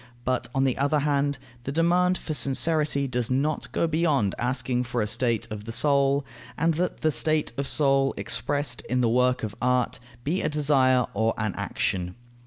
But, on the other hand, the demand for sincerity does not go beyond asking for a state of the soul, and that the state of soul expressed in the work of art be a desire or an action.